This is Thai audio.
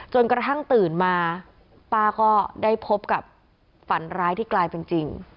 จนกระทั่งตื่นมาป้าก็ได้พบกับฝันร้ายที่กลายเป็นจริง